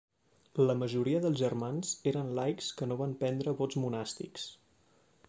La majoria dels germans eren laics que no van prendre vots monàstics.